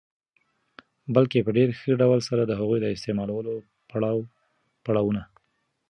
بلکي په ډېر ښه ډول سره د هغوی د استعمالولو پړا وونه